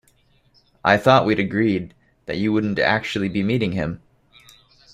I thought we'd agreed that you wouldn't actually be meeting him?